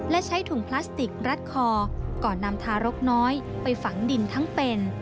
และใช้ถุงพลาสติกรัดคอก่อนนำทารกน้อยไปฝังดินทั้งเป็น